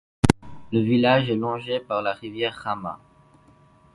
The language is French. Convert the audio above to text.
Le village est longé par la rivière Rama.